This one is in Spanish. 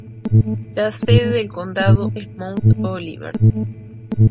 La sede del condado es Mount Olivet.